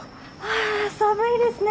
あ寒いですね。